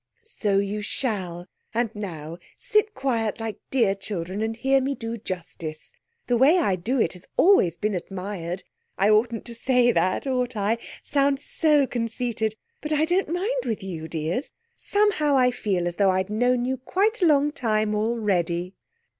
"So you shall, and now sit quiet like dear children and hear me do justice. The way I do it has always been admired. I oughtn't to say that, ought I? Sounds so conceited. But I don't mind with you, dears. Somehow I feel as though I'd known you quite a long time already."